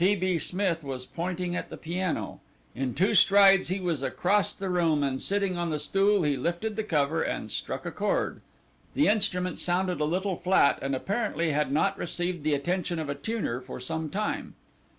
T. B. Smith was pointing at the piano. In two strides he was across the room, and sitting on the stool he lifted the cover and struck a chord. The instrument sounded a little flat and apparently had not received the attention of a tuner for some time.